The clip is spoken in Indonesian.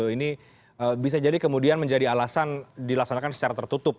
ini bisa jadi kemudian menjadi alasan dilaksanakan secara tertutup